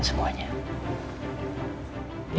semuanya baik baik saja